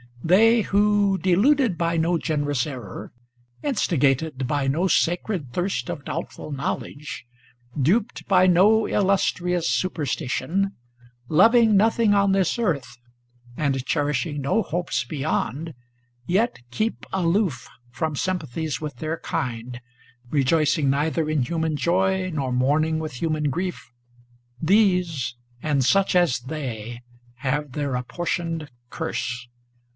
They who, de luded by no generous error, instigated by no sacred thirst of doubtful knowledge, duped by no illustrious superstition, loving nothing on this earth, and cherishing no hopes beyond, yet keep aloof from sympathies with their kind, rejoicing neither in human joy nor mourning with human grief ; these, and such as they, have their apportioned curse.